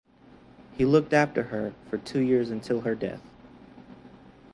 He looked after her for two years until her death.